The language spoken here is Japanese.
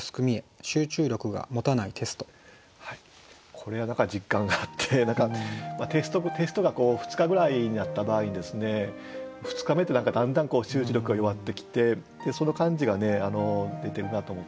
これは何か実感があってテストが２日ぐらいになった場合に２日目ってだんだん集中力が弱ってきてその感じが出てるなと思って。